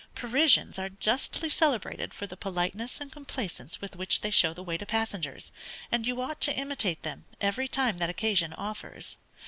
Parisians are justly celebrated for the politeness and complaisance with which they show the way to passengers, and you ought to imitate them, every time that occasion offers.